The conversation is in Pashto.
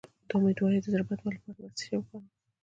د امیدوارۍ د زړه بدوالي لپاره باید څه شی وکاروم؟